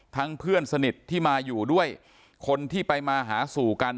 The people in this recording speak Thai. เพื่อนสนิทที่มาอยู่ด้วยคนที่ไปมาหาสู่กัน